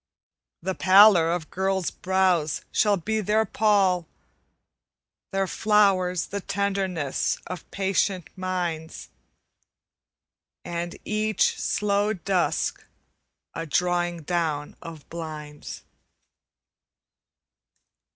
The pallor of girls' brows shall be their pall; Their flowers the tenderness of patient minds, And each slow dusk a drawing down of blinds.